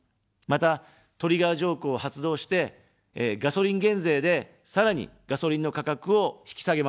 また、トリガー条項を発動して、ガソリン減税で、さらに、ガソリンの価格を引き下げます。